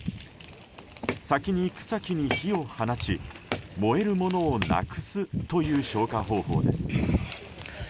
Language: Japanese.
先に草木に火を放ち燃えるものをなくすという消火方法です。